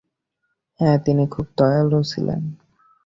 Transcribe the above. হ্যাঁ, তিনি খুব দয়ালু ছিলেন।